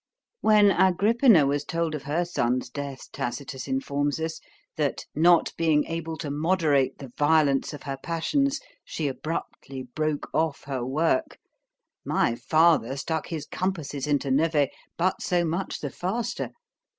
When Agrippina was told of her son's death, Tacitus informs us, that, not being able to moderate the violence of her passions, she abruptly broke off her work—My father stuck his compasses into Nevers, but so much the faster.